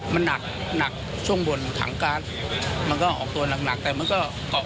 มันหนักช่วงบนขังการมันก็ออกตัวหนักแต่มันก็